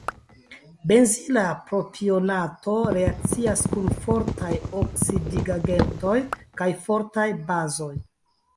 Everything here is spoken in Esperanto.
Benzila propionato reakcias kun fortaj oksidigagentoj kaj fortaj bazoj.